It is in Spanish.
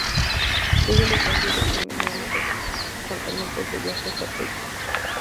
Sigue la "estancia de la Chimenea" de los apartamento de Bianca Cappello.